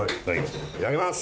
いただきます。